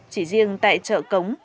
chỉ riêng tại chợ cống